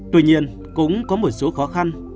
tuy nhiên cũng có một số khó khăn